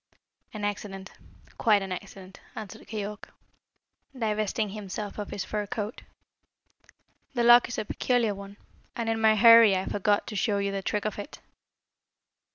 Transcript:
"An accident quite an accident," answered Keyork, divesting himself of his fur coat. "The lock is a peculiar one, and in my hurry I forgot to show you the trick of it."